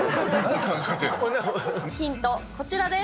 ヒント、こちらです。